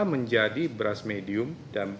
menjadi beras medium dan